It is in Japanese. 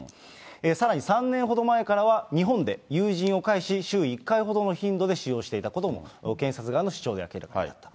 さらに３年ほど前からは、日本で友人を介し、週１回ほどの頻度で使用していたことも、検察側の主張で明らかになったと。